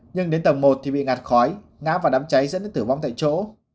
nhưng đến tầng một thì bị ngạt khói ngã vào đám cháy dẫn đến tử vong tại chỗ